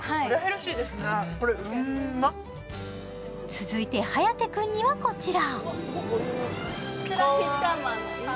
続いて、颯君にはこちら。